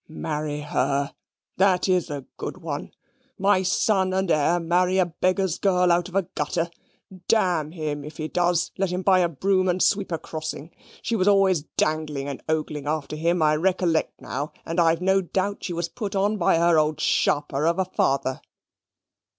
Marry HER, that IS a good one. My son and heir marry a beggar's girl out of a gutter. D him, if he does, let him buy a broom and sweep a crossing. She was always dangling and ogling after him, I recollect now; and I've no doubt she was put on by her old sharper of a father."